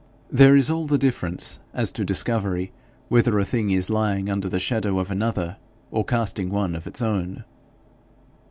There is all the difference as to discovery whether a thing is lying under the shadow of another, or casting one of its own.